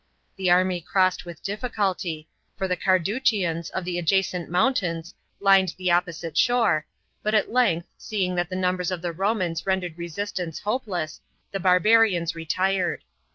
The army crossed with difficulty, for the Carduchians of the adjacent mountains lined the opposite shore, but at length, seeing that the numbers of the Homans rendered resistance hopeless, the barbarians retired.